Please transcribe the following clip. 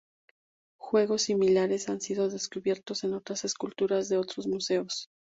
Juegos similares han sido descubiertos en otras esculturas de otros museos.